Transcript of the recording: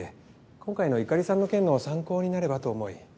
今回の由香里さんの件の参考になればと思い。